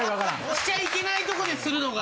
しちゃいけない所でするのが。